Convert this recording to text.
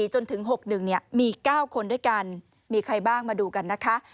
จนถึง๖๑มี๙คนด้วยกันมีใครบ้างมาดูกันนะคะ